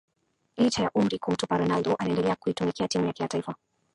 Licha ya umri kumtupa Ronaldo anaendelea kuitumikia timu yake ya taifa